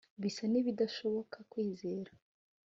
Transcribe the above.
bisa n'ibidashoboka kwizera